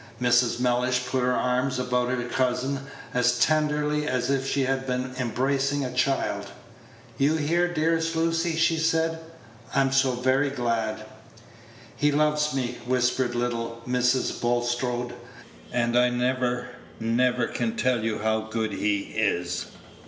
Mrs. Mellish put her arms about her cousin as tenderly as if she had been embracing a child. "You here, dearest Lucy!" she said. "I am so very glad." "He loves me," whispered little Mrs. Bulstrode, "and I never, never can tell you how good he is."